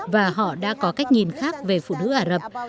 và họ đã có cách nhìn khác về phụ nữ ả rập